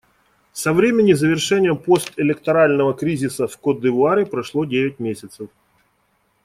Со времени завершения постэлекторального кризиса в Котд'Ивуаре прошло девять месяцев.